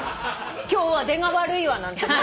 今日は出が悪いわ！なんてね。